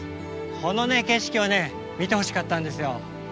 この景色をね見てほしかったんですよ。